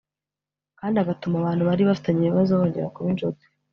kandi agatuma abantu bari bafitanye ibibazo bongera kuba inshuti.